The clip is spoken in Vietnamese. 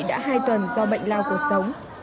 đã hai tuần do bệnh lao cuộc sống